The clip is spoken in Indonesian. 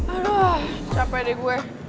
aduh capek deh gue